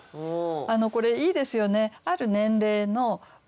これいいですよね。